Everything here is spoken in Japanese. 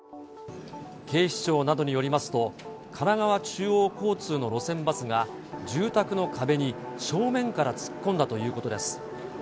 警視庁などによりますと、神奈川中央交通の路線バスが、住宅の壁に正面から突っ込んだということです。